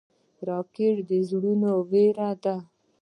راکټ د زړونو وېره ده